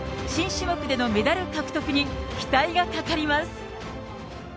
新種目でのメダル獲得に期待がかかります。